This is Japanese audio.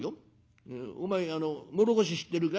お前あの唐土知ってるか？」。